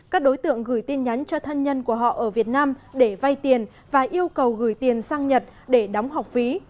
các đối tượng gửi tin nhắn cho thân nhân của họ ở việt nam để vay tiền và yêu cầu gửi tiền sang nhật để đóng học phí